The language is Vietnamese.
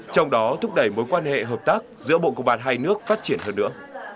trong đó thúc đẩy mối quan hệ hợp tác giữa bộ công an hai nước phát triển hơn nữa